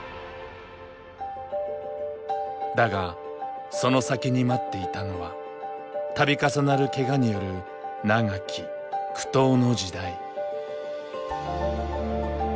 だがその先に待っていたのは度重なるケガによる長き苦闘の時代。